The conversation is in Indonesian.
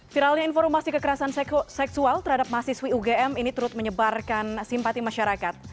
viralnya informasi kekerasan seksual terhadap mahasiswi ugm ini turut menyebarkan simpati masyarakat